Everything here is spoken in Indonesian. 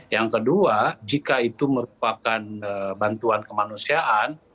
yang kedua jika itu merupakan bantuan kemanusiaan